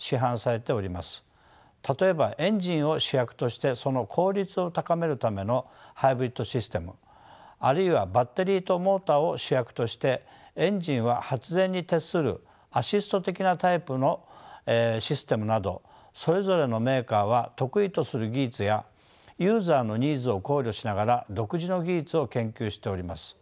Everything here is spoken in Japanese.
例えばエンジンを主役としてその効率を高めるためのハイブリッドシステムあるいはバッテリーとモーターを主役としてエンジンは発電に徹するアシスト的なタイプのシステムなどそれぞれのメーカーは得意とする技術やユーザーのニーズを考慮しながら独自の技術を研究しております。